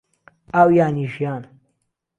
ئاو یانی ژیان